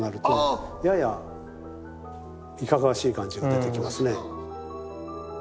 あぁ！ややいかがわしい感じが出てきますね。